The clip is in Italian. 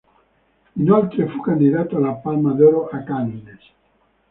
Inoltre fu candidato alla Palma d'oro a Cannes.